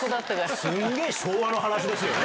すんげえ昭和の話ですよね。